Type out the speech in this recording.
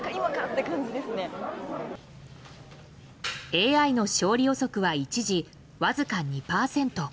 ＡＩの勝利予測は一時わずか２％。